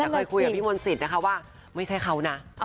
เคยคุยกับพี่มนต์สิทธิ์นะคะว่าไม่ใช่เขานะ